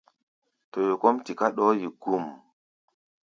Toyo kɔ́ʼm tiká ɗɔɔ́ yi gum.